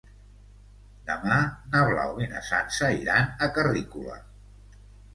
Demà na Blau i na Sança iran a Carrícola.